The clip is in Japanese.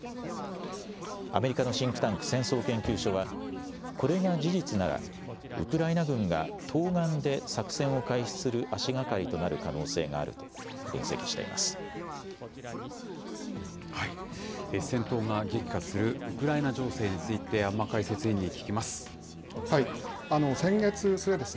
アメリカのシンクタンク、戦争研究所は、これが事実なら、ウクライナ軍が東岸で作戦を開始する足がかりとなる可能性がある戦闘が激化するウクライナ情勢について、安間解説委員に聞きます。